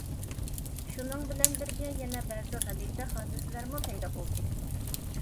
شۇنىڭ بىلەن بىرگە يەنە بەزى غەلىتە ھادىسىلەرمۇ پەيدا بولدى.